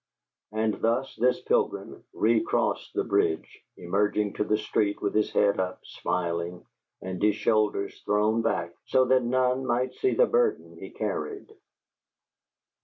And thus this pilgrim recrossed the bridge, emerging to the street with his head up, smiling, and his shoulders thrown back so that none might see the burden he carried.